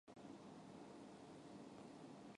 枯木に寒鴉あり